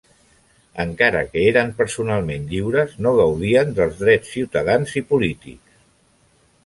Encara que eren personalment lliures no gaudien dels drets ciutadans i polítics.